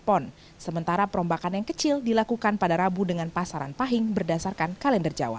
pon sementara perombakan yang kecil dilakukan pada rabu dengan pasaran pahing berdasarkan kalender jawa